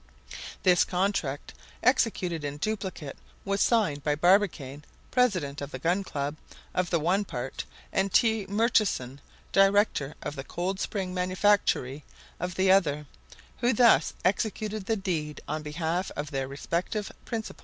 This contract, executed in duplicate, was signed by Barbicane, president of the Gun Club, of the one part, and T. Murchison director of the Coldspring manufactory, of the other, who thus executed the deed on behalf of their respective principals.